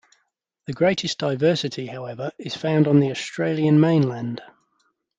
The greatest diversity, however, is found on the Australian mainland.